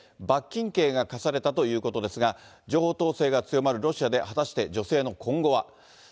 罰金刑が科されたということですが、情報統制が強まるロシアで、果たして女性の今後は。